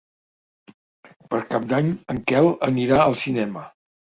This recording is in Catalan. Per Cap d'Any en Quel anirà al cinema.